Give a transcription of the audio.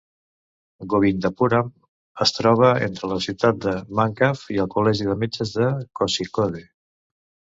Govindapuram es troba entre la ciutat de Mankav i el col·legi de metges de Kozhikode.